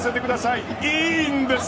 いいんです。